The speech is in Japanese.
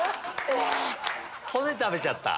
骨食べちゃった！